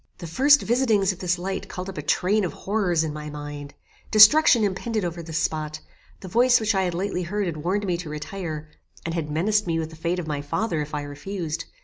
The first visitings of this light called up a train of horrors in my mind; destruction impended over this spot; the voice which I had lately heard had warned me to retire, and had menaced me with the fate of my father if I refused.